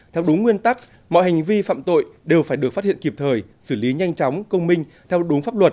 theo đúng nguyên tắc mọi hành vi phạm tội đều phải được phát hiện kịp thời xử lý nhanh chóng công minh theo đúng pháp luật